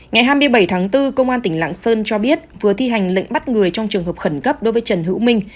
ngày hai mươi bảy tháng bốn công an tỉnh lạng sơn cho biết vừa thi hành lệnh bắt người trong trường hợp khẩn cấp đối với trần hữu minh